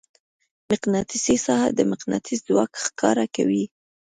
مقناطیسي ساحه د مقناطیس ځواک ښکاره کوي.